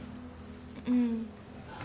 うん。